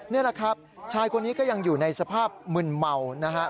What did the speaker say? นี่แหละครับชายคนนี้ก็ยังอยู่ในสภาพมึนเมานะครับ